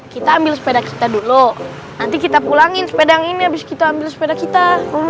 kita ambil sepeda kita dulu nanti kita pulangin sepeda ini habis kita ambil sepeda kita